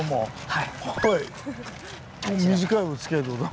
はい。